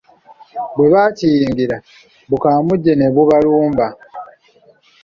Bwe bakiyingira, bukamuje ne bubalumba.